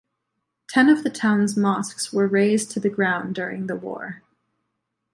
Ten of the town's mosques were razed to the ground during the war.